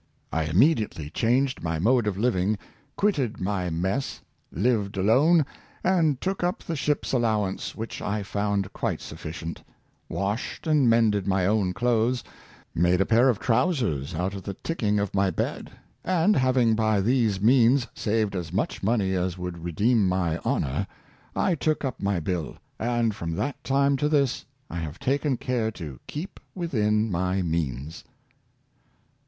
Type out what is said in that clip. I immediately changed my mode of living, quitted my mess, lived alone, and took up the ship's allowance, which I found quite sufficient; washed and mended my own clothes; made a pair of trowsers out of the tick ing of my bed; and having by these means saved as much money as would redeem my honor, I took up my bill, and from that time to this I have taken care to keep within my means.""